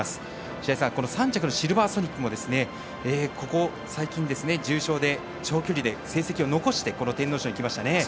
白井さん、３着のシルヴァーソニックもここ最近、重賞で長距離で成績を残して天皇賞にきましたね。